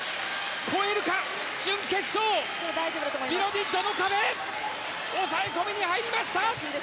越えるか、準決勝ビロディドの壁押さえ込みに入りました。